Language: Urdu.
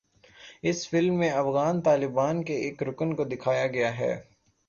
اس فلم میں افغان طالبان کے ایک رکن کو دکھایا گیا تھا